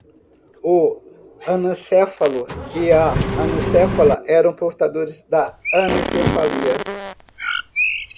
O anencéfalo e a anencéfala eram portadores da anencefalia